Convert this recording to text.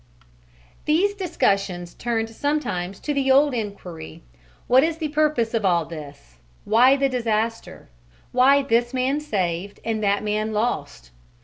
These discussions turned sometimes to the old enquiry "What is the purpose of all this? Why the disaster? Why this man saved and that man lost?